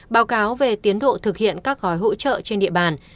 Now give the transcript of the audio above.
báo cáo về tiến độ thực hiện các gói hỗ trợ trên địa bàn